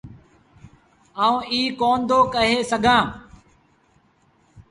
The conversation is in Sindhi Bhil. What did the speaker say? آئوٚنٚ ايٚ ڪوندو ڪهي سگھآݩٚ